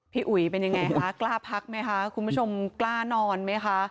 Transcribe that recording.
อุ๋ยเป็นยังไงคะกล้าพักไหมคะคุณผู้ชมกล้านอนไหมคะ